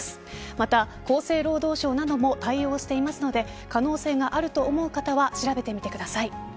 また、厚生労働省なども対応しているので可能性があると思う方は調べてください。